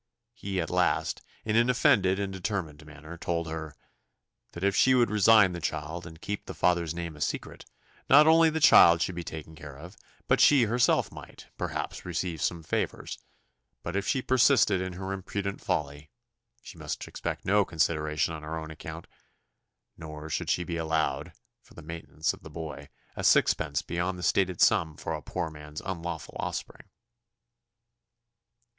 He at last, in an offended and determined manner, told her "That if she would resign the child, and keep the father's name a secret, not only the child should be taken care of, but she herself might, perhaps, receive some favours; but if she persisted in her imprudent folly, she must expect no consideration on her own account; nor should she be allowed, for the maintenance of the boy, a sixpence beyond the stated sum for a poor man's unlawful offspring."